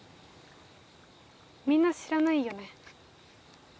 みんな知らないよね